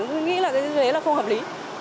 tôi nghĩ là cái đấy là không hợp lý